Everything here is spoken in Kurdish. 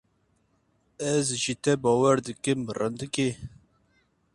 Ez ji te bawer dikim rindikê.